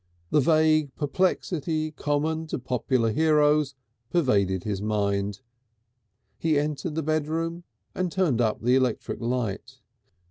The vague perplexity common to popular heroes pervaded his mind. He entered the bedroom and turned up the electric light.